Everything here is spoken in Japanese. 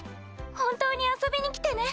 本当に遊びに来てね。